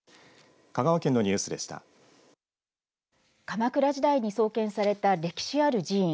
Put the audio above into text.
鎌倉時代に創建された歴史ある寺院